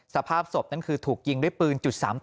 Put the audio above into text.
สภาพศพนั้นคือถูกยิงด้วยปืน๓๘